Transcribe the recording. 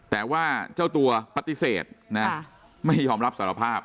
แต่ว่าเจ้าตัวปฏิเสธนะไม่ยอมรับสารภาพ